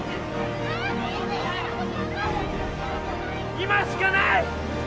今しかない！